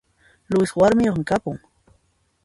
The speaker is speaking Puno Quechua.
Luisqa warmiyoqmi kapun